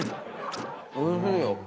おいしいよ。